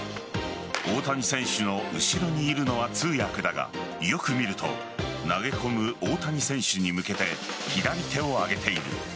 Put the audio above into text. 大谷選手の後ろにいるのは通訳だがよく見ると投げ込む大谷選手に向けて左手を上げている。